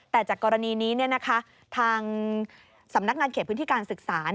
แต่จากกรณีนี้ทางสำนักงานเขตพื้นที่การศึกษา